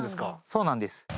そうなんです。